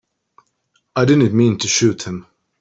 I didn't mean to shoot him.